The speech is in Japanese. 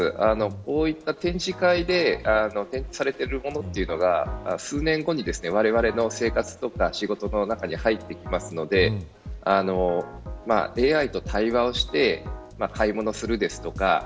こういった展示会で展示されているものというのが数年後にわれわれの生活とか仕事の中に入ってきますのでＡＩと対話をして買い物するですとか